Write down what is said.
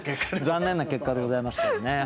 残念な結果でございますけどね。